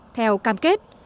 theo cam kết